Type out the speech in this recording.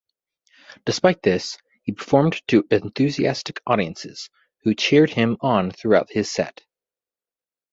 Despite this, he performed to enthusiastic audiences, who cheered him on throughout his set.